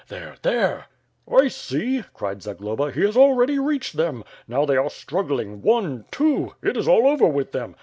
There — there !" "I see," cried Zagloba, "he has already reached them. Now they are struggling, one, two, it is all over with them.